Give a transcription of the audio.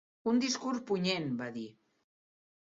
"Un discurs punyent", va dir.